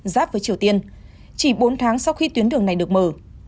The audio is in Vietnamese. giáp với triều tiên chỉ bốn tháng sau khi tuyến đường này được mở